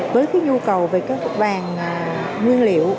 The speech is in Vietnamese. với nhu cầu về các hàng nguyên liệu